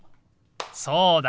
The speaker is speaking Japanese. そうだ！